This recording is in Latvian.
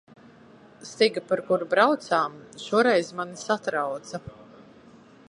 Stiga, pa kuru braucām, šoreiz mani satrauca.